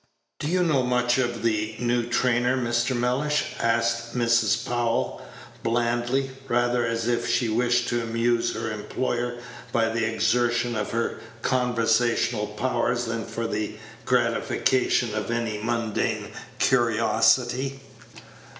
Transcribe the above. "Do you know much of the new trainer, Mr. Mellish?" asked Mrs. Powell, blandly, rather as if she wished to amuse her employer by the exertion of her conversational powers than for the gratification of any mundane curiosity.